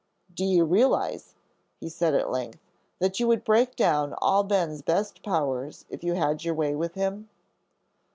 "Do you realize," he said at length, "that you would break down all Ben's best powers if you had your way with him?"